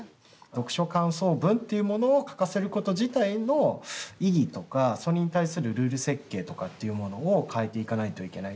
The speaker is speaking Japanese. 読書感想文というものを書かせること自体の意義とかそれに対するルール設計とかっていうものを変えていかないといけない。